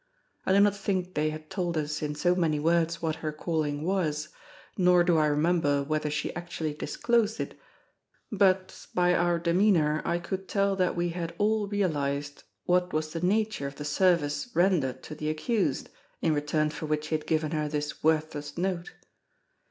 I do not think they had told us in so many words what her calling was, nor do I remember whether she actually disclosed it, but by our demeanour I could tell that we had all realized what was the nature of the service rendered to the accused, in return for which he had given her this worthless note.